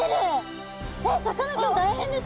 えっさかなクン大変です。